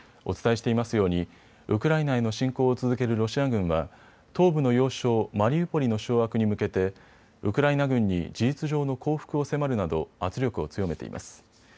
お伝えしていますようにウクライナへの侵攻を続けるロシア軍は東部の要衝マリウポリの掌握に向けてウクライナ軍に事実上の降伏を迫るなど圧力を強めています。